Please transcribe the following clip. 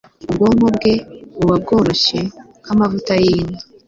ubwonko bwe buba bworoshe nka mavuta y inka